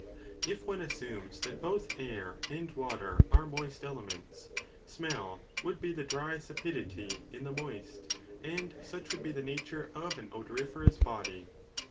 If one assumes that both air and water are moist elements, smell would be the dry sapidity in the moist and such 3 would be the nature of an odoriferous body.